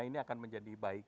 ini akan menjadi baik